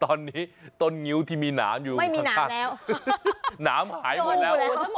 ตอนนี้ต้นงิ้วที่มีน้ำอยู่ไม่มีน้ำแล้วน้ำหายหมดแล้วอู๋ทุอยู่